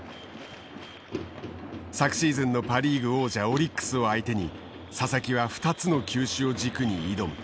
昨シーズンのパ・リーグ王者オリックスを相手に佐々木は２つの球種を軸に挑む。